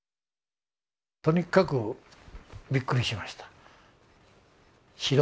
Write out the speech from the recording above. とにかくびっくりしました。